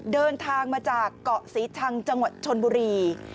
เดินทางมาจากเกาะศรีชังจังหวัดชนบุรี